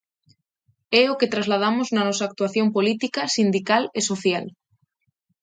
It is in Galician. É o que trasladamos na nosa actuación política, sindical e social.